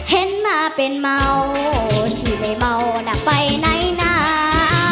เห็นมาเป็นเมาที่ไม่เมาน่ะไปไหนหนา